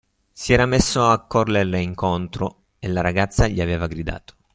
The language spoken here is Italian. Si era messo a correrle incontro e la ragazza gli aveva gridato.